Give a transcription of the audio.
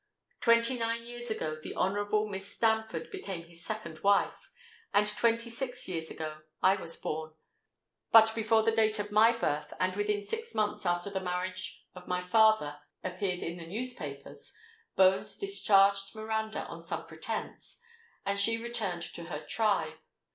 Twenty nine years ago the Honourable Miss Stamford became his second wife; and twenty six years ago I was born. But before the date of my birth—and within six months after the marriage of my father appeared in the newspapers—Bones discharged Miranda on some pretence; and she returned to her tribe.